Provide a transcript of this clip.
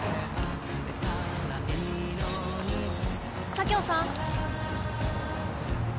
佐京さん